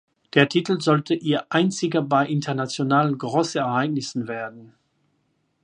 Der Titel sollte ihr einziger bei internationalen Großereignissen werden.